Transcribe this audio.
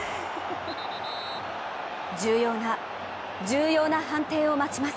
重要な重要な判定を待ちます。